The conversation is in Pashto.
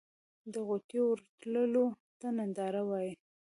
د غوټیو ورتولو ته ډنډار وایی.